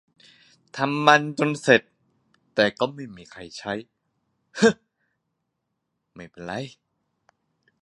ทำจนเสร็จ แต่ไม่มีใครใช้ - แต่ก็ไม่เป็นไร